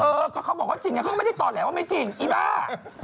เออเค้าบอกว่าจริงเนี่ยเค้าไม่ได้ต่อแหล่วว่าไม่จริงอีบ้า